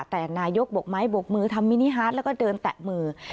แต่นายกบกไม้บกมือทำมินิฮาร์ดแล้วก็เดินแตะมือ